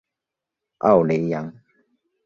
奥雷扬。